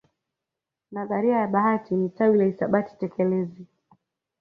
Nadharia ya bahati ni tawi la hisabati tekelezi